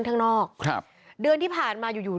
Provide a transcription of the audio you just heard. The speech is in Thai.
ลูกนั่นแหละที่เป็นคนผิดที่ทำแบบนี้